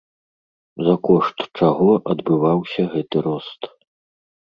За кошт чаго адбываўся гэты рост?